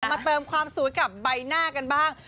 มาเติมความสวยกับใบหน้ากันบ้าง